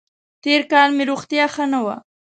تېر کال مې روغتیا ښه نه وه